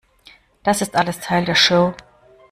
Das ist alles Teil der Show.